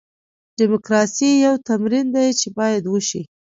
ډیموکراسي یو تمرین دی چې باید وشي.